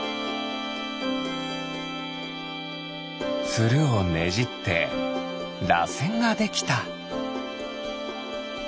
ツルをねじってらせんができた。